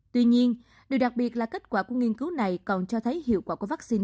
tuy nhiên điều đặc biệt là kết quả của nghiên cứu này còn cho thấy hiệu quả của vaccine